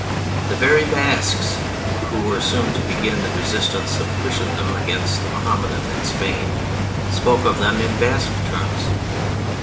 The very Basques, who were so soon to begin the resistance of Christendom against the Mohammedan in Spain, spoke of them in Basque terms.